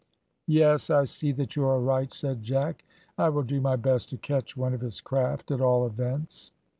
"Yes, I see that you are right," said Jack. "I will do my best to catch one of his craft, at all events."